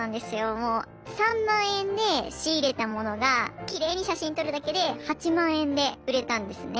もう３万円で仕入れた物がきれいに写真撮るだけで８万円で売れたんですね。